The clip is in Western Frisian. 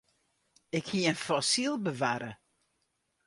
Ik hie in fossyl bewarre.